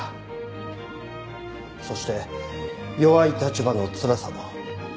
そして弱い立場のつらさも。